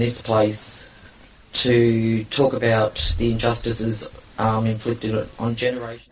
tapi di sini kita berbicara tentang kebenaran yang telah dilakukan pada generasi